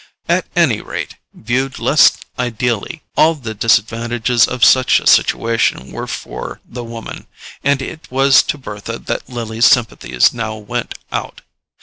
At any rate, viewed less ideally, all the disadvantages of such a situation were for the woman; and it was to Bertha that Lily's sympathies now went out.